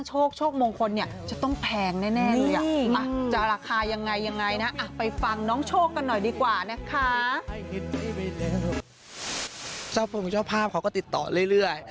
โฟงเจ้าภาพเขาก็ติดต่อเรื่อย